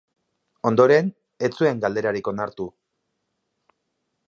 Ondoren, ez zuen galderarik onartu.